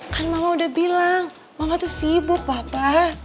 kan mama udah bilang mama tuh sibuk papa